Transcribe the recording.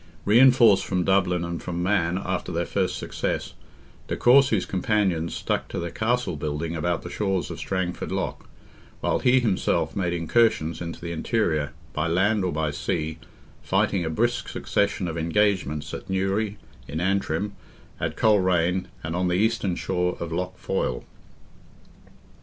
Reinforced from Dublin and from Man after their first success, de Courcy's companions stuck to their castle building about the shores of Strangford Lough, while he himself made incursions into the interior, by land or by sea, fighting a brisk succession of engagements at Newry, in Antrim, at Coleraine, and on the eastern shore of Lough Foyle.